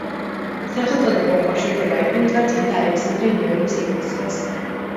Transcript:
სახელწოდება უკავშირდება იქვე მდგარ წმინდა ალექსანდრე ნეველის ეკლესიას.